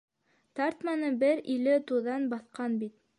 Тартманы бер иле туҙан баҫҡан бит.